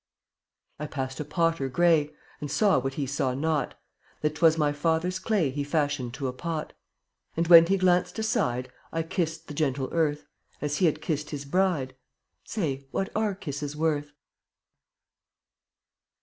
14 I passed a potter gray And saw what he saw not, That 'twas my father's clay He fashioned to a pot. And when he glanced aside I kissed the gentle earth, As he had kissed his bride. Say, what are kisses worth?